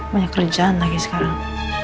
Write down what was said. banyak kerjaan lagi sekarang